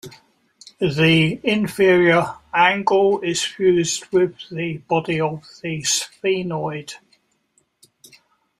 The inferior angle is fused with the body of the sphenoid.